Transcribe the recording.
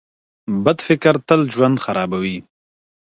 بد فکر تل ژوند خرابوي